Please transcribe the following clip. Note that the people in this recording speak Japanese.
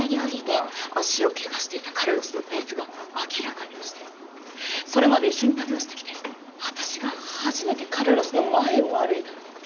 足をケガしていたカルロスのペースが明らかに落ちてそれまで一緒に旅をして来て私が初めてカルロスの前を歩いたの。